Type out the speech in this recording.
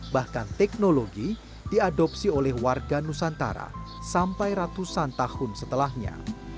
bahkan teknologi diadopsi oleh warga nusantara sampai ratusan tahun setelahnya